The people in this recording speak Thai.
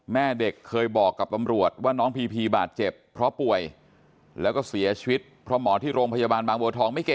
แม่เด็กเคยบอกกับตำรวจว่าน้องพีพีบาดเจ็บเพราะป่วยแล้วก็เสียชีวิตเพราะหมอที่โรงพยาบาลบางบัวทองไม่เก่ง